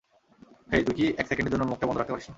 হেই, তুই কি এক সেকেন্ডের জন্যেও মুখটা বন্ধ রাখতে পারিস না?